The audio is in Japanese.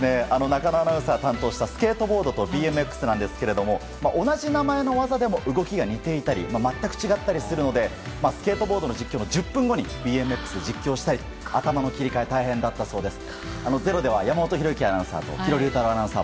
中野アナウンサーが担当したスケートボードとＢＭＸですが同じ名前の技でも動きが似ていたり全く違ったりするのでスケートボード実況の１０分後にＢＭＸの実況をしたり頭の切り替えが大変だったそうです。